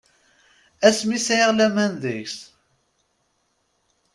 Asmi sɛiɣ laman deg-s.